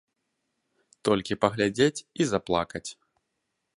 Толькі паглядзець і заплакаць.